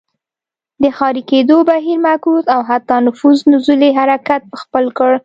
د ښاري کېدو بهیر معکوس او حتی نفوس نزولي حرکت خپل کړ.